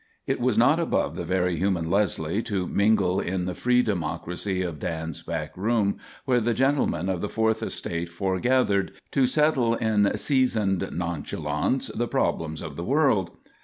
It was not above the very human Leslie to mingle in the free democracy of Dan's back room, where the gentlemen of the Fourth Estate foregathered to settle in seasoned nonchalance the problems of the world.